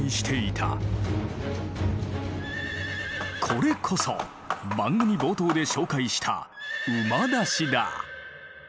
これこそ番組冒頭で紹介した馬出しだ。